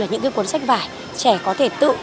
những cuốn sách vải trẻ có thể tự